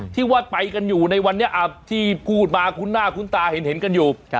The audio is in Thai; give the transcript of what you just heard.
ที่ว่าไปกันอยู่ในวันนี้ที่พูดมาคุ้นหน้าคุ้นตาเห็นกันอยู่